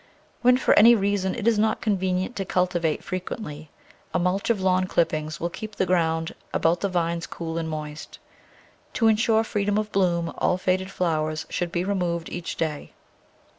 When for any reason it is not convenient to culti vate frequently, a mulch of lawn clippings will keep the ground about the vines cool and moist. To insure freedom of bloom all faded flowers should be removed each day.